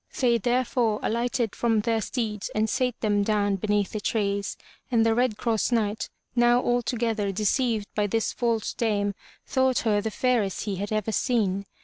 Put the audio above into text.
They therefore alighted from their steeds and sate them down beneath the trees, and the Red Cross Knight, now altogether deceived by this false dame, thought her the fairest he had ever seen.